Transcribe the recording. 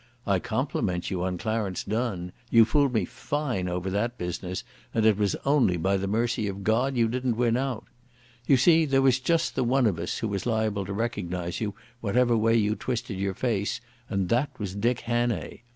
I compliment you on Clarence Donne. You fooled me fine over that business, and it was only by the mercy of God you didn't win out. You see, there was just the one of us who was liable to recognise you whatever way you twisted your face, and that was Dick Hannay.